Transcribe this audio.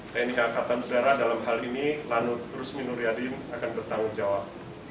tni akatan segera dalam hal ini danlanut rusmin nuryadin akan bertanggung jawab